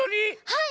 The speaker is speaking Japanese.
はい！